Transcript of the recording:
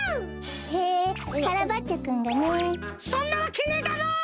へえカラバッチョくんがね。そんなわけねえだろ！